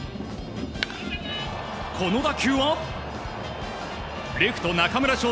この打球は、レフト中村奨